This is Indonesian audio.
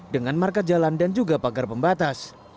dengan market jalan dan juga pagar pembatas